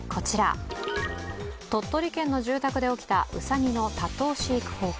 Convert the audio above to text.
鳥取県の住宅で起きたうさぎの多頭飼育崩壊。